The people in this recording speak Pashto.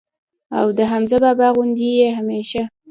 او د حمزه بابا غوندي ئې هميشه